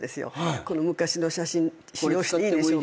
「この昔の写真使用していいでしょうか？」